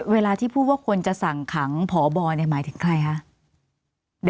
เวลาที่พูดว่าคนจะสั่งขังพบหมายถึงใครคะ